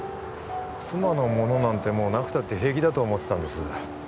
妻の物なんてもうなくたって平気だと思ってたんです